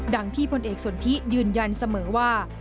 ที่พลเอกสนทิยืนยันเสมอว่า